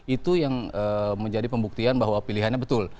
itu yang menjadi pembuktian bahwa pilihannya betul